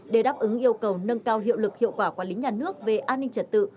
để đáp ứng yêu cầu nâng cao hiệu lực hiệu quả quản lý nhà nước về an ninh trật tự